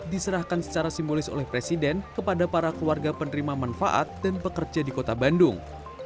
diserahkan secara simbolis oleh presiden kepada para keluarga penerima manfaat dan pekerja di kota bandung